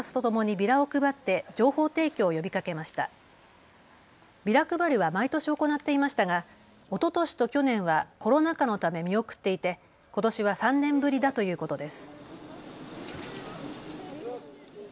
ビラ配りは毎年行っていましたがおととしと去年はコロナ禍のため見送っていてことしは３年ぶりだということです。